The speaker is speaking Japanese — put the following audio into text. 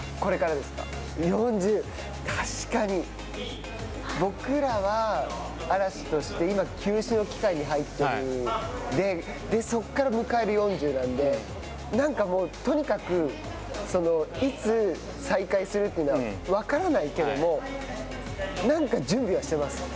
確かに、僕らは、嵐として今休止の期間に入っているのでそこから迎える４０なんで、なんかもうとにかくいつ再開するというのは分からないけども、何か準備はしています。